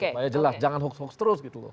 supaya jelas jangan hoax hoax terus gitu loh